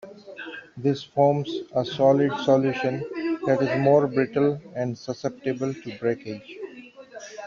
This forms a solid solution that is more brittle and susceptible to breakage.